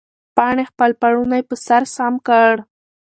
پاڼې خپل پړونی پر سر سم کړ.